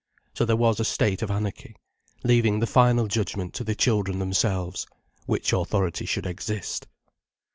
So there was a state of anarchy, leaving the final judgment to the children themselves, which authority should exist.